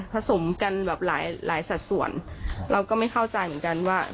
สมกันแบบหลายหลายสัดส่วนเราก็ไม่เข้าใจเหมือนกันว่า